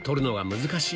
難しい！